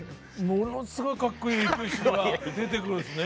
ものすごいかっこいい永久歯が出てくるんですね。